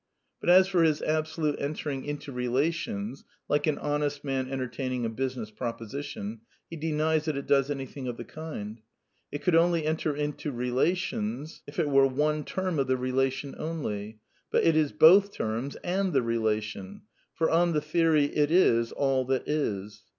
But as for his Absolute " entering into relations," like an Honest Man entertaining a business proposition, he denies that it does anything of the kind. It could only enter into relations if it were one term of the relation only; h^jj n^ is both terms^ and the relatio n: for, on the theory, it is ail that is.